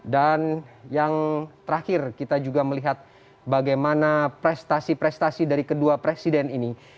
dan yang terakhir kita juga melihat bagaimana prestasi prestasi dari kedua presiden ini